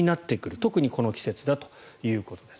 特にこの季節だということです。